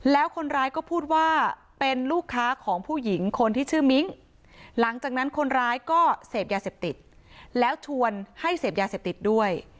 แล้วคนร้ายก็พูดว่าเป็นลูกค้าของผู้หญิงคนที่ชื่อมิ้งหลังจากนั้นคนร้ายก็เสพยาเสพติดแล้วชวนให้เสพยาเสพติดด้วย